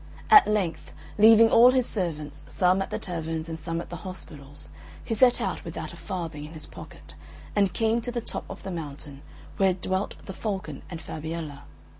At length, leaving all his servants, some at the taverns and some at the hospitals, he set out without a farthing in his pocket, and came to the top of the mountain where dwelt the Falcon and Fabiella.